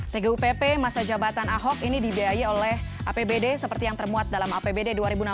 tgupp masa jabatan ahok ini dibiayai oleh apbd seperti yang termuat dalam apbd dua ribu enam belas